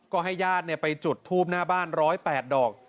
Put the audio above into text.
ก็ให้ญาติไปจุดทูบหน้าบ้าน๑๐๘ดอก